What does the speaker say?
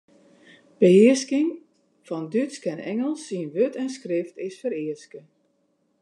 Behearsking fan Dútsk en Ingelsk yn wurd en skrift is fereaske.